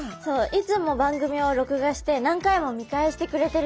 いつも番組を録画して何回も見返してくれてるそうです。